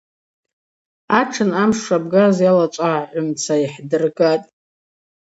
Атшын амш шабгаз йалачӏвагӏгӏумца йхӏдыргатӏ.